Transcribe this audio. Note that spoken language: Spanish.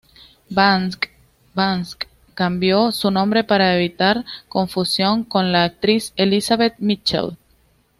Banks cambió su nombre para evitar confusión con la actriz Elizabeth Mitchell.